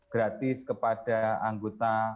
gratis kepada anggota